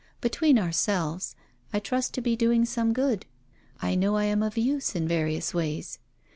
Between ourselves, I trust to be doing some good. I know I am of use in various ways.